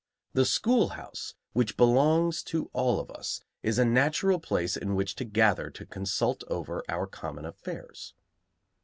The schoolhouse, which belongs to all of us, is a natural place in which to gather to consult over our common affairs.